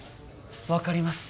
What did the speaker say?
分かります